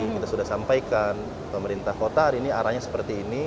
kita sudah sampaikan pemerintah kota hari ini arahnya seperti ini